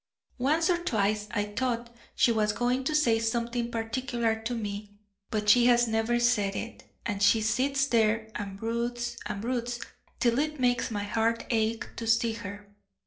Once or twice I thought she was going to say something particular to me, but she has never said it, and she sits there and broods and broods till it makes my heart ache to see her.